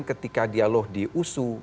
ketika dialog di usu